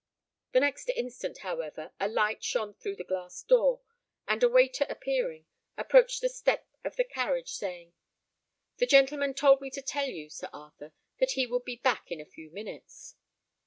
The next instant, however, a light shone through the glass door, and a waiter appearing, approached the step of the carriage, saying, "The gentleman told me to tell you, Sir Arthur, that he would be back in a few minutes."